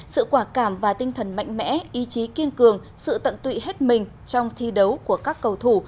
sự quả cảm và tinh thần mạnh mẽ ý chí kiên cường sự tận tụy hết mình trong thi đấu của các cầu thủ